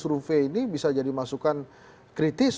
jadi hasil hasil survei ini bisa jadi masukan kritis